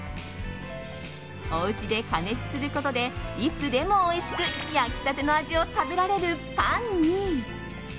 おうちで加熱することでいつでもおいしく焼きたての味を食べられるパンに。